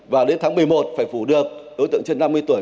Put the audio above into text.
và đến tháng một mươi một phải phủ được đối tượng trên năm mươi tuổi